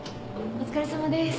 お疲れさまです。